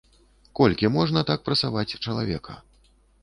Колькі можна так прасаваць чалавека.